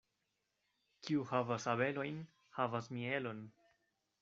Kiu havas abelojn, havas mielon.